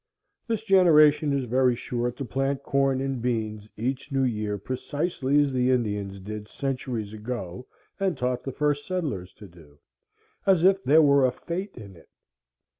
This generation is very sure to plant corn and beans each new year precisely as the Indians did centuries ago and taught the first settlers to do, as if there were a fate in it.